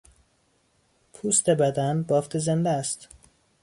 پوست بدن بافت زنده است.